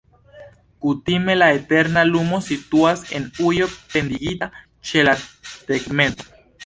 Kutime la eterna lumo situas en ujo pendigita ĉe la tegmento.